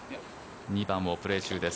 ２番をプレー中です。